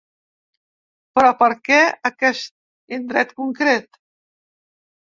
Però per què aquest indret concret?